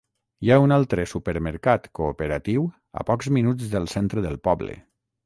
Hi ha un altre supermercat cooperatiu a pocs minuts del centre del poble.